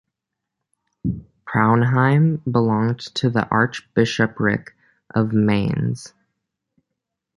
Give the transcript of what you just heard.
Praunheim belonged to the Archbishopric of Mainz.